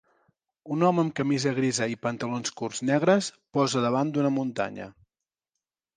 Un home amb camisa grisa i pantalons curts negres posa davant d'una muntanya.